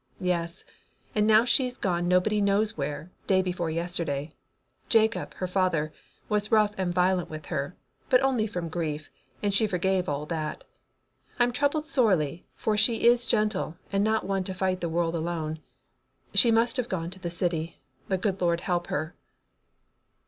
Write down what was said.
"Yes, and now she's gone nobody knows where, day before yesterday. Jacob, her father, was rough and violent with her, but only from grief, and she forgave all that. I'm troubled sorely, for she is gentle, and not one to fight the world alone. She must have gone to the city, the good Lord help her!"